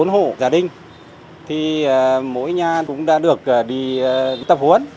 một mươi bốn hộ gia đình mỗi nhà cũng đã được đi tập huấn